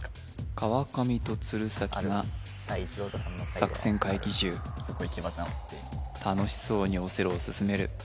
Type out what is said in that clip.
川上と鶴崎が作戦会議中楽しそうにオセロを進める